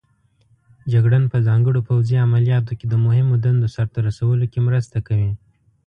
جګړن په ځانګړو پوځي عملیاتو کې د مهمو دندو سرته رسولو کې مرسته کوي.